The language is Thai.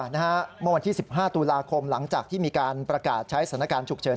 เมื่อวันที่๑๕ตุลาคมหลังจากที่มีการประกาศใช้สถานการณ์ฉุกเฉิน